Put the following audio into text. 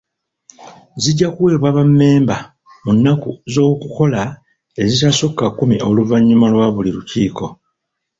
Zijja kuweebwa bammemba mu nnaku z'okukola ezitasukka kkumi oluvannyuma lwa buli lukiiko.